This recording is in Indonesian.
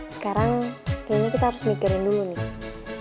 sekarang kayaknya kita harus mikirin dulu nih